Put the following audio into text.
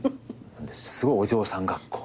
すごいお嬢さん学校の。